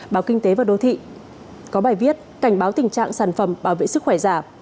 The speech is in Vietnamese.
báo kinh tế và đô thị có bài viết cảnh báo tình trạng sản phẩm bảo vệ sức khỏe giả